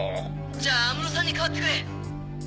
じゃあ安室さんに代わってくれ。